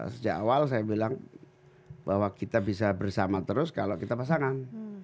sejak awal saya bilang bahwa kita bisa bersama terus kalau kita pasangan